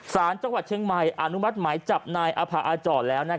สารจังหวัดเชียงใหม่อนุมัติหมายจับนายอภาอาจรแล้ว